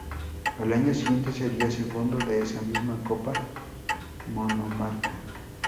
Al año siguiente sería segundo de esa misma copa monomarca.